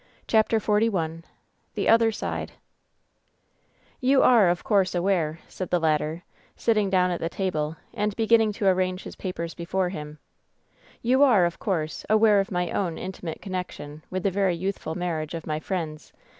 CHAPTER XLI \^ THE OTHEB SIDE "You are, of course, aware," said the latter, sitting down at the table and beginning to arrange his papers before him — *^you are, of course, aware of my own inti mate connection with t he v ery youthful marriage of my friends.